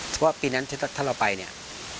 เพราะว่าปีนั้นถ้าเราไปเนี่ย